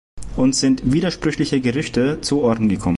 Uns sind widersprüchliche Gerüchte zu Ohren gekommen.